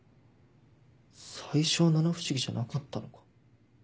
最初は七不思議じゃなかったのか。